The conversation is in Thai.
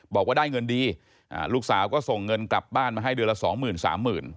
บอกว่าได้เงินดีลูกสาวก็ส่งเงินกลับบ้านมาให้เดือนละ๒๐๐๐๐๓๐๐๐๐